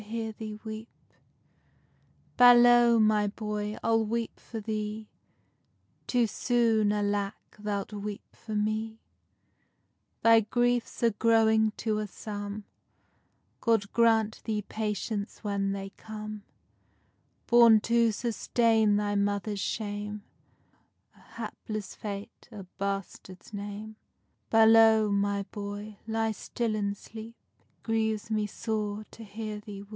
_ Balow, my boy, I'll weep for thee; Too soon, alake, thou'lt weep for me: Thy griefs are growing to a sum, God grant thee patience when they come; Born to sustain thy mother's shame, A hapless fate, a bastard's name. Balow, my boy, ly still and sleep, It grieves me sore to hear thee weep.